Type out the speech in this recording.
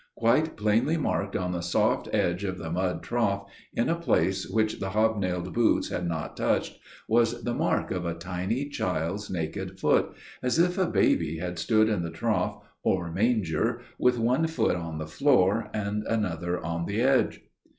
Quite plainly marked on the soft edge of the mud trough, in a place which the hob nailed boots had not touched, was the mark of a tiny child's naked foot, as if a baby had stood in the trough or manger, with one foot on the floor and another on the edge.